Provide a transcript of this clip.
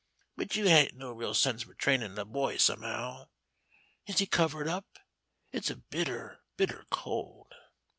But you hain't no real sense for trainin' a boy, somehow. Is he covered up? It's bitter, bitter cold."